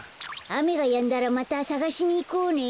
あめがやんだらまたさがしにいこうね。